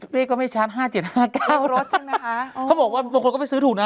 เลขก็ไม่ชัดห้าเจ็ดห้าเก้ารถใช่ไหมคะเขาบอกว่าบางคนก็ไปซื้อถูกนะ